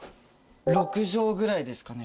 ６帖ぐらいですかね。